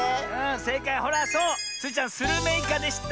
せいかいほらそうスイちゃんスルメイカでした。